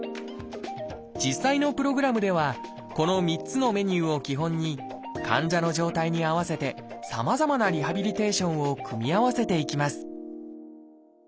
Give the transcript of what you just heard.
実際のプログラムではこの３つのメニューを基本に患者の状態に合わせてさまざまなリハビリテーションを組み合わせていきます